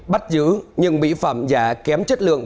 bắt giữ những mỹ phẩm giả kém chất lượng